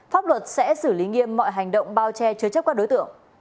pháp luật sẽ xử lý nghiêm mọi hành động bao che chứa chấp các đối tượng